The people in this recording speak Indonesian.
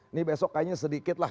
ini besok kayaknya sedikit lah